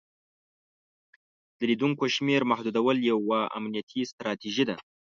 د لیدونکو شمیر محدودول یوه امنیتي ستراتیژي ده.